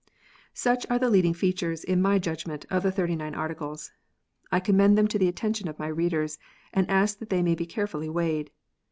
Such are the leading features, in my judgment, of the Thirty nine Articles. I commend them to the attention of my readers, and ask that they may be carefully weighed.